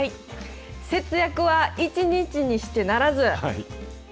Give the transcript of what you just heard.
節約は一日してならず！